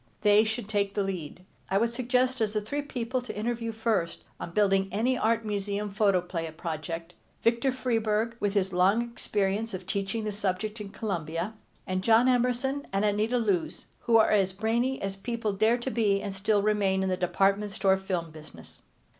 They should take the lead. I would suggest as the three people to interview first on building any Art Museum Photoplay project: Victor Freeburg, with his long experience of teaching the subject in Columbia, and John Emerson and Anita Loos, who are as brainy as people dare to be and still remain in the department store film business.